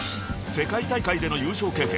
［世界大会での優勝経験